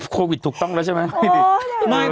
ถูกต้องแล้วใช่ไหม